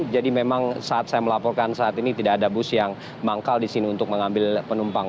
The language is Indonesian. jadi memang saat saya melaporkan saat ini tidak ada bus yang manggal di sini untuk mengambil penumpang